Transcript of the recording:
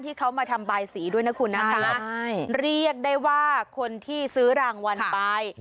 ที่เขามาทำบายสีด้วยนะคุณนะคะเรียกได้ว่าคนที่ซื้อรางวัลไป